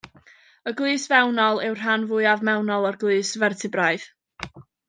Y glust fewnol yw'r rhan fwyaf mewnol o'r glust fertebraidd.